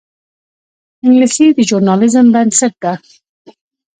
انګلیسي د ژورنالیزم بنسټ ده